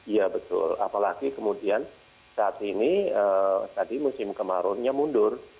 iya betul apalagi kemudian saat ini tadi musim kemaraunya mundur